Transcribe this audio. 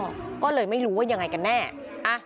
เมื่อวานหลังจากโพดำก็ไม่ได้ออกไปไหน